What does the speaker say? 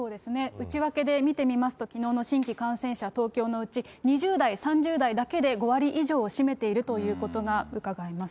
内訳で見てみますと、きのうの新規感染者、東京のうち２０代、３０代だけで５割以上を占めているということがうかがえます。